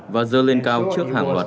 và dơ lên cao trước hàng hoạt